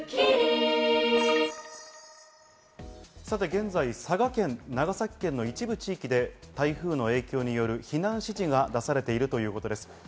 現在、佐賀県、長崎県の一部地域で台風の影響による避難指示が出されているということです。